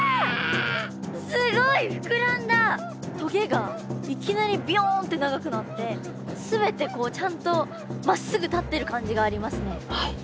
棘がいきなりビヨンって長くなって全てこうちゃんとまっすぐ立ってる感じがありますね。